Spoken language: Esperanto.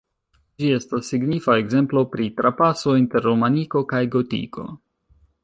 Ĝi estas signifa ekzemplo pri trapaso inter romaniko kaj gotiko.